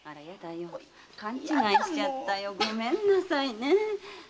勘違いしちゃったよごめんなさいね。